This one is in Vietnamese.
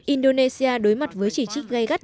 indonesia đối mặt với chỉ trích gây gắt